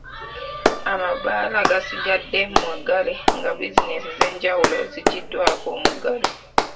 Amabbaala gasigadde maggale nga bizinesi ez'enjawulo ziggyiddwako omuggalo.